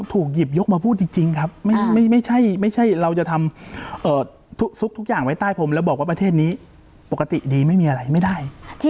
สุกทุกอย่างไว้ใต้ผมและบอกว่าประเทศนี้ปกติดีไม่มีอะไรไม่ได้